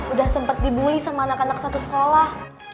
udah sempat dibully sama anak anak satu sekolah